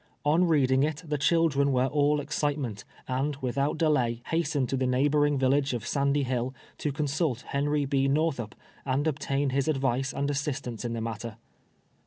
On reading it the children were all excitement, and Mithmit delay hastened to the neiiihhorlnf!; vilhiii e of Sandy Hill, to consult Ilv'nry J>. Xorthup, and obtain his advice and assistance in tlie matter.